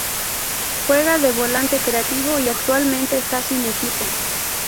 Juega de volante creativo y actualmente está sin equipo.